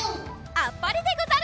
あっぱれでござる！